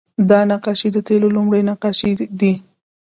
دا نقاشۍ د تیلو لومړنۍ نقاشۍ دي